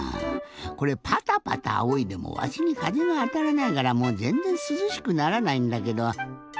これパタパタあおいでもわしにかぜがあたらないからもうぜんぜんすずしくならないんだけど。